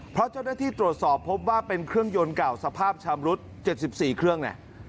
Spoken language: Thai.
เพราะเจ้าหน้าที่ตรวจสอบพบว่าเป็นเครื่องยนต์เก่าสภาพชำรุด๗๔เครื่องเนี่ย